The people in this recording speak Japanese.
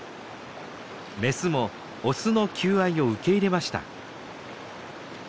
メスもオスの求愛を受け入れました。